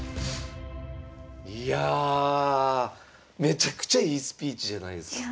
いやめちゃくちゃいいスピーチじゃないですか。